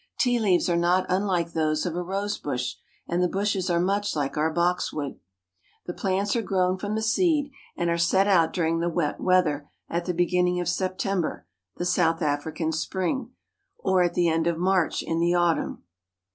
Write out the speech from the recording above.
Tea leaves are not unlike those of a rose bush, and the bushes are much like our box wood. The plants are grown from the seed, and are set out during the wet weather at the beginning of September, the South African spring, or at the end of March in the autumn.